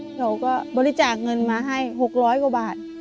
เขาก็บริจาคเงินมาให้๖๐๐กว่าบาท